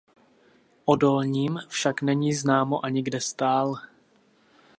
O Dolním však není známo ani kde stál.